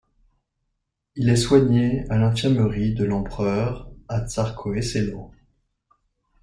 Il est soigné à l'infirmerie de l'empereur à Tsarskoe Selo.